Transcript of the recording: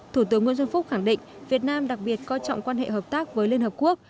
thủ tướng nguyễn xuân phúc khẳng định việt nam đặc biệt coi trọng quan hệ hợp tác với liên hợp quốc